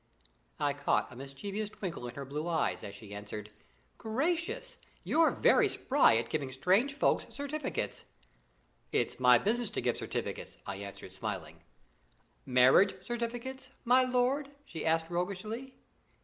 I caught a mischievous twinkle in her blue eyes, as she answered: "Gracious! you're very spry at giving strange folks certificates." "It's my business to give certificates," I answered, smiling. "Marriage certificates, my lord?" she asked roguishly.